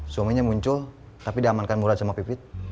suaminya muncul tapi diamankan murad sama pipit